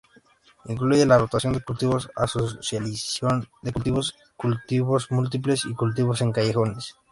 Incluye la rotación de cultivos, asociación de cultivos, cultivos múltiples, y cultivo en callejones.